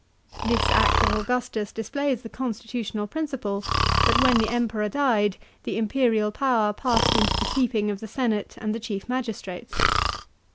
This act of Augustus displays the con stitutional principle, that when the Emperor died, the imperial power passed into the keeping of the senate and the chief magis trates.